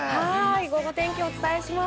ゴゴ天気をお伝えします。